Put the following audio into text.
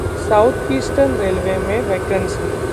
south Eastern Railway में vacancy